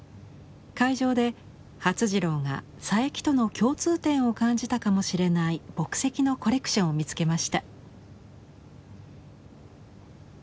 会場で發次郎が佐伯との共通点を感じたかもしれない墨跡のコレクションを見つけました。